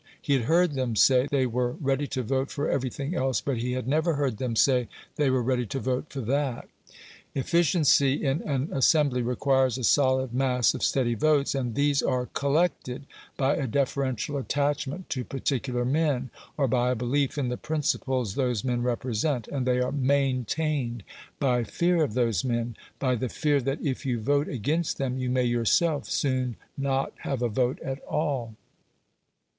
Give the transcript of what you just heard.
He had heard them say they were ready to vote for everything else, but he had never heard them say they were ready to vote for that." Efficiency in an assembly requires a solid mass of steady votes; and these are COLLECTED by a deferential attachment to particular men, or by a belief in the principles those men represent, and they are MAINTAINED by fear of those men by the fear that if you vote against them, you may yourself soon not have a vote at all.